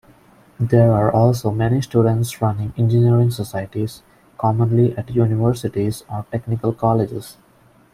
There are also many student-run engineering societies, commonly at universities or technical colleges.